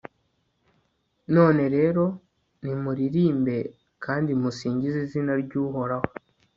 none rero, nimuririmbe kandi musingize izina ry'uhoraho